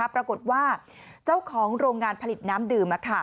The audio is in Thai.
ปรากฏว่าเจ้าของโรงงานผลิตน้ำดื่ม